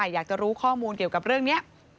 อยากจะรู้ข้อมูลเกี่ยวกับเรื่องนี้